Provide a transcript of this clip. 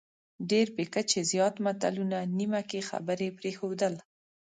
ډېر بې کچې زیات متلونه، نیمه کې خبرې پرېښودل،